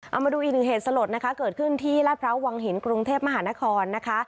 เอามาดูอีกหนึ่งเหตุสลดนะคะเกิดขึ้นที่ลาดพร้าววังหินกรุงเทพมหานครนะคะ